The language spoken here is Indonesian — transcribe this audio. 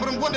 ada apa sih